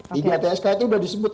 tiga tsk itu udah disebut